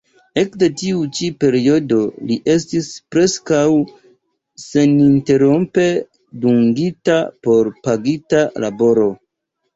Ekde tiu ĉi periodo li estis preskaŭ seninterrompe dungita por pagita laboro.